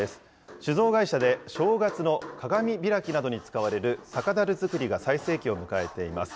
酒造会社で正月の鏡開きなどに使われる酒だる作りが最盛期を迎えています。